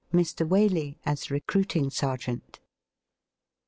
WALEY AS RECRUITING SERGEANT.